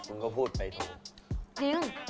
มึงก็พูดไปทุกอย่าง